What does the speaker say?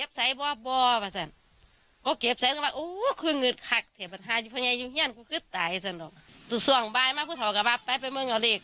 ไม่ก็จะออกมาอีกรถแล้วล่างลงมาอย่างมาย